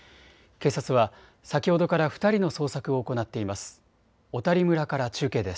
警察は先ほどから２人の捜索を行っています。